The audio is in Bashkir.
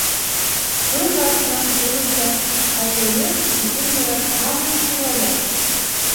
Көн артынан көн үтә, ә төйөн, сиселмәгәс, һаман ҙурая.